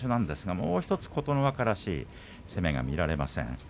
もうひとつ琴ノ若らしい攻めが見られません。